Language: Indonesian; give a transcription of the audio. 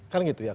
kan gitu ya